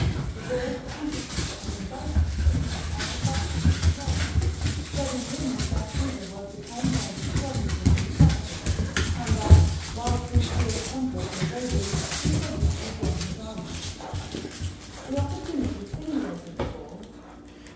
The Gauls amplified and embellished the story as the facts seemed to warrant, spreading rumours that Caesar was detained by the disturbances in the capital, and that, while these fierce conflicts were raging, he could not rejoin his army. The opportunity stimulated the Gauls.